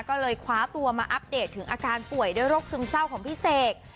ก็เลยคว้าตัวมาอัปเดตถึงอาการป่วยด้วยโรคซึมเศร้าของพี่เสก